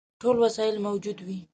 ټول وسایل موجود وه.